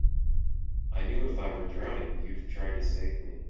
I knew if I were drowning you'd try to save me.